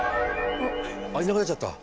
あっいなくなっちゃった。